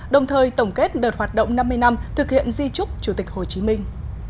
đồng thời tổng kết đợt hoạt động năm mươi năm thực hiện di trúc chủ tịch hồ chí minh